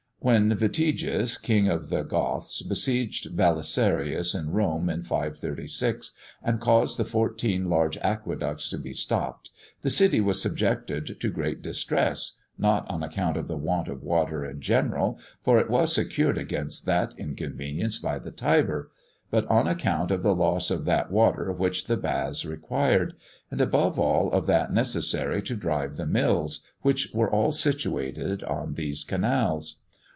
When Vitiges, king of the Goths, besieged Belisarius in Rome in 536, and caused the fourteen large aqueducts to be stopped, the city was subjected to great distress, not on account of the want of water in general, for it was secured against that inconvenience by the Tiber, but on account of the loss of that water which the baths required, and, above all, of that necessary to drive the mills, which were all situated on these canals.